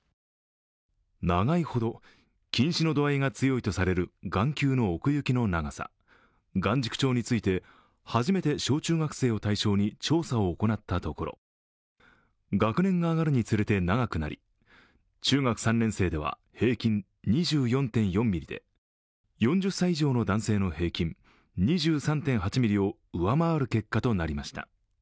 長いほど近視の度合いが強いとされる眼球の奥行きの長さ、眼軸長について初めて小中学生を対象に調査を行ったところ、学年が上がるにつれて、長くなり中学３年生では平均２４．４ｍｍで、４０歳以上の男性の平均２３．８ｍｍを上回る結果となりました。